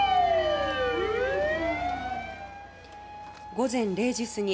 午前０時すぎ